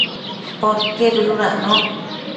Podquied dëdudacno